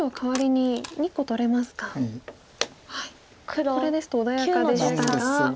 これですと穏やかでしたが。